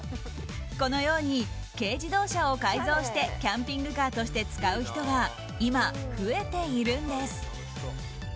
このように軽自動車を改造してキャンピングカーとして使う人が今、増えているんです。